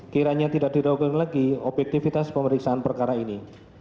kiranya tidak diragukan lagi objektivitas pemeriksaan perkara ini